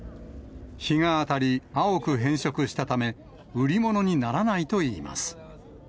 日が当たり、青く変色したため、売り物にならないといいます。